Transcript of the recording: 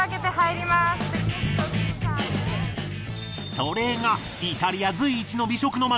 それがイタリア随一の美食の街